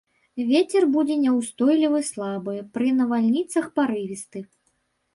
Вецер будзе няўстойлівы слабы, пры навальніцах парывісты.